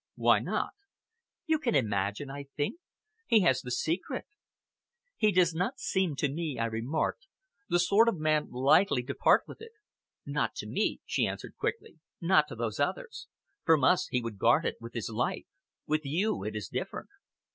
"Why not?" "You can imagine, I think. He has the secret." "He does not seem to me," I remarked, "the sort of man likely to part with it." "Not to me," she answered quickly, "not to those others. From us he would guard it with his life! With you it is different."